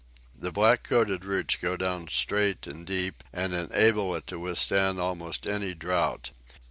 The black coated roots go down straight and deep, and enable it to withstand almost any drought.